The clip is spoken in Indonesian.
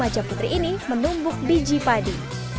remaja putri ini menumbuk biji padi